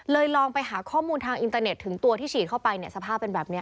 ลองไปหาข้อมูลทางอินเตอร์เน็ตถึงตัวที่ฉีดเข้าไปเนี่ยสภาพเป็นแบบนี้